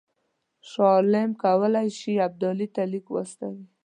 شاه عالم کولای شي ابدالي ته لیک واستوي.